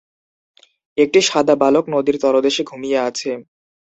একটি সাদা বালক নদীর তলদেশে ঘুমিয়ে আছে